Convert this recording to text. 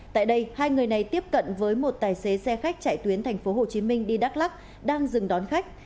tại đây hai người này tiếp cận với một tài xế xe khách chạy tuyến tp hcm đi đắk lắc đang dừng đón khách